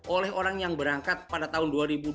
oleh orang yang berangkat pada tahun dua ribu dua puluh